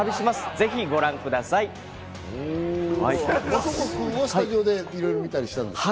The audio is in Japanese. ぜひご覧松岡君はスタジオでいろいろ見たりしたんですか？